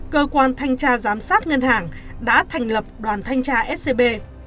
cơ quan thanh tra giám sát ngân hàng đã thành lập đoàn thanh tra scb